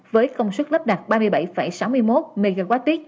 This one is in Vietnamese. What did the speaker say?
với công suất lắp đặt ba mươi bảy sáu mươi một mwp